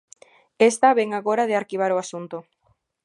Esta vén agora de arquivar o asunto.